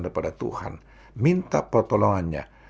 daripada tuhan minta pertolongannya